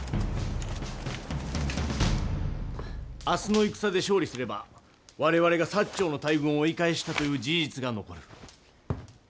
明日の戦で勝利すれば我々が長の大軍を追い返したという事実が残る。